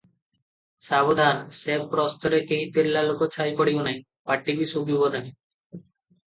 ସାବଧାନ! ସେ ପ୍ରସ୍ତରେ କେହି ତିର୍ଲା ଲୋକ ଛାଇ ପଡ଼ିବ ନାହିଁ – ପାଟି ବି ଶୁଭିବ ନାହିଁ ।